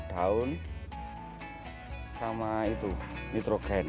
daun sama itu nitrogen